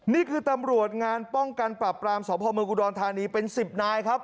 นี่คือตำรวจงานป้องกันปรับปรามสพเมืองอุดรธานีเป็น๑๐นายครับ